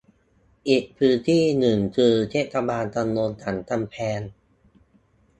อีกพื้นที่หนึ่งคือ เทศบาลตำบลสันกำแพง